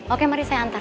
oke mari saya antar